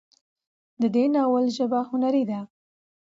د دې ناول ژبه هنري ده